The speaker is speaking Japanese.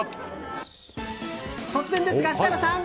突然ですが、設楽さん。